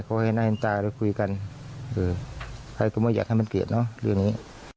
ก็ให้น่าเห็นตาแล้วคุยกันใครก็ไม่อยากให้มันเกลียดเนอะเรื่องนี้